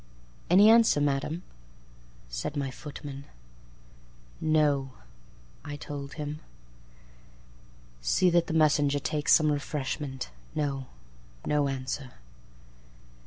"Any answer, Madam," said my footman."No," I told him."See that the messenger takes some refreshment.No, no answer."